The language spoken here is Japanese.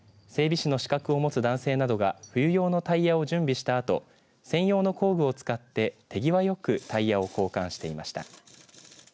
整備士の資格を持つ男性などが冬用のタイヤを準備したあと専用の工具を使って手際よくタイヤを交換していました。